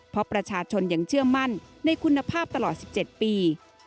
เพราะประชาชนยังเชื่อมั่นในคุณภาพตลอด๑๗ปี